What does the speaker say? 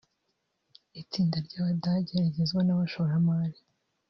Itsinda ry’Abadage rigizwe n’abashoramari